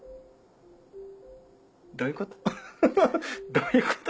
どういうこと？